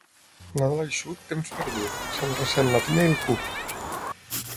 Nadal eixut, temps perdut: se'n ressent la tina i el cup.